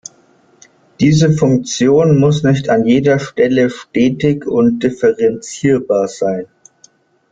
Diese Funktion muss nicht an jeder Stelle stetig und differenzierbar sein.